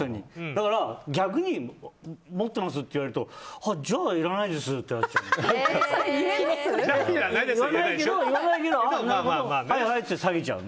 だから逆に持ってますって言われるとじゃあ、いらないですってなっちゃう。